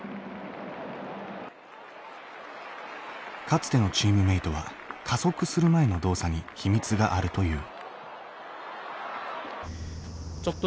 かつてのチームメートは加速する前の動作に秘密があるという。